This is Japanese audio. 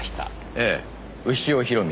ええ潮弘道。